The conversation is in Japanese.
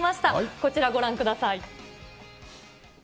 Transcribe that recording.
こちらご覧ください。